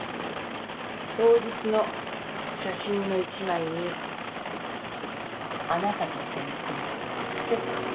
当日の写真の１枚にあなたと先生が写ってた。